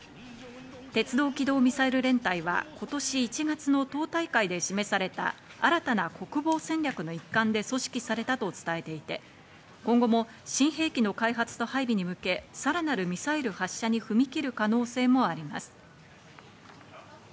鉄道機動ミサイル連隊は今年１月の党大会で示された新たな国防戦略の一環で組織されたと伝えていて、今後も新兵器の開発と配備に向け、さらなるミサイル発射に踏み切る可能性もあります。